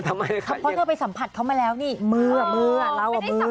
เธอไปสัมผัสเขามาแล้วนี่มือเล่าว่ามือ